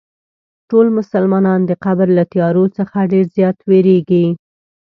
ټول مسلمانان د قبر له تیارو څخه ډېر زیات وېرېږي.